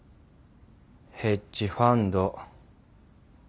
ヘッジファンド。